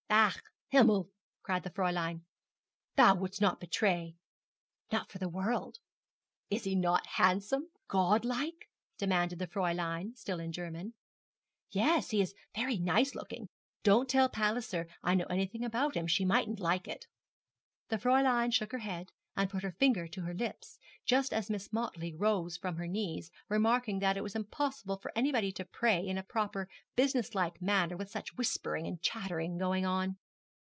'Ach, Himmel,' cried the Fräulein. 'Thou wouldst not betray?' 'Not for the world.' 'Is he not handsome, godlike?' demanded the Fräulein, still in German. 'Yes, he is very nice looking. Don't tell Palliser that I know anything about him. She mightn't like it.' The Fräulein shook her head, and put her finger to her lips, just as Miss Motley rose from her knees, remarking that it was impossible for anybody to pray in a proper business like manner with such whispering and chattering going on.